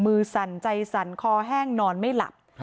สั่นใจสั่นคอแห้งนอนไม่หลับ